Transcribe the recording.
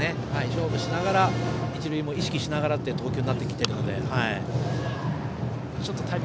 勝負しながら一塁も意識しながらという投球になっているので。